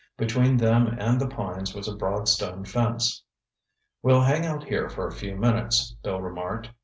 Between them and the pines was a broad stone fence. "We'll hang out here for a few minutes," Bill remarked.